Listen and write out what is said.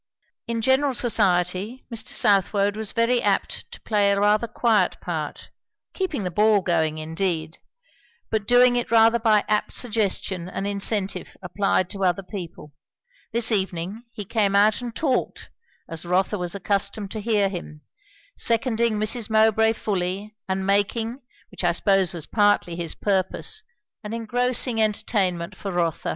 In general society Mr. Southwode was very apt to play a rather quiet part; keeping the ball going indeed, but doing it rather by apt suggestion and incentive applied to other people; this evening he came out and talked, as Rotha was accustomed to hear him; seconding Mrs. Mowbray fully, and making, which I suppose was partly his purpose, an engrossing entertainment for Rotha.